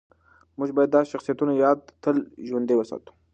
موږ باید د داسې شخصیتونو یاد تل ژوندی وساتو.